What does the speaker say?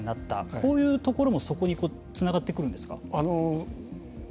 そういうところもそこにつながってくるんですか。